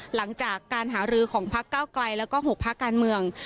หลังจากการหารือของพักเก้าไกลแล้วก็๖พักการเมือง